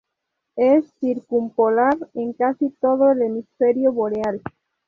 Es circumpolar en casi todo el hemisferio boreal.